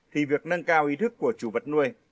thì việc nâng cao ý thức của chủ vật nuôi